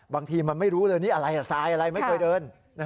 บางทีมันไม่รู้เลยนี่อะไรทรายอะไรไม่เคยเดิน